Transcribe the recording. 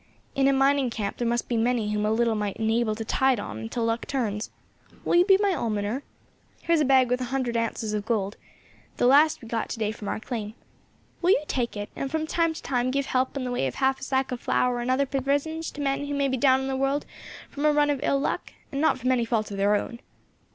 In a mining camp there must be many whom a little might enable to tide on until luck turns. Will you be my almoner? Here is a bag with a hundred ounces of gold, the last we got to day from our claim. Will you take it, and from time to time give help in the way of half a sack of flour and other provisions to men who may be down in the world from a run of ill luck, and not from any fault of their own."